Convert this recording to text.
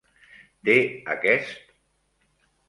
Té aquest.?